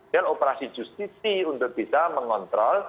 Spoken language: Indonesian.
dan operasi justisi untuk kita mengontrol